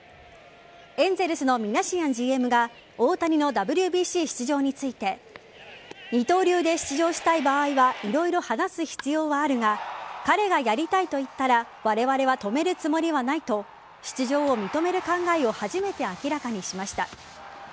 エンゼルスのミナシアンＧＭが大谷のＷＢＣ出場について二刀流で出場したい場合は色々話す必要はあるが彼がやりたいと言ったらわれわれは止めるつもりはないと出場を認める考えを初めて明らかにしました。